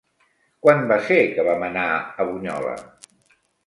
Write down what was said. Quan va ser que vam anar a Bunyola?